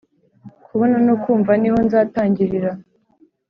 kubona no kumva niho nzatangirira